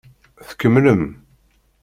Tkemmlem.